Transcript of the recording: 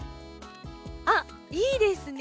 あっいいですね。